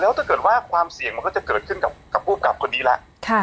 แล้วถ้าเกิดว่าความเสี่ยงมันก็จะเกิดขึ้นกับผู้กลับคนนี้แล้ว